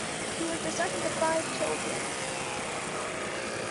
She was the second of five children.